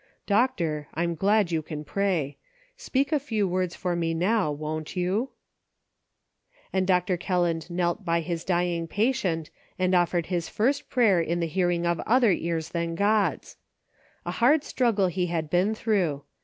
Doctor, I'm glad you can pray ; speak a few words for me now, won't you ?" And Doctor Kelland knelt by his dying patient and offered his first prayer in the hearing of other ears than God's. A hard struggle he had been through.